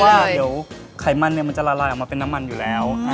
เพราะว่าเดี๋ยวไขมันมันจะละลายออกมาเป็นน้ำมันอยู่แล้ว